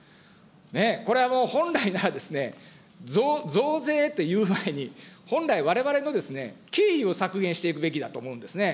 ねぇ、これはもう本来ならですね、増税という前に、本来、われわれの経費を削減していくべきだと思うんですね。